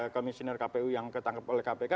komisioner kpu yang ketangkep oleh kpk